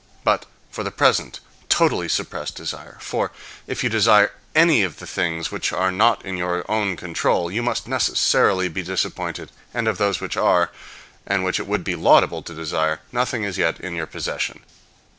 But, for the present, totally suppress desire: for, if you desire any of the things which are not in your own control, you must necessarily be disappointed; and of those which are, and which it would be laudable to desire, nothing is yet in your possession.